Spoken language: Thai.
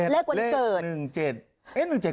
เลขวันเกิด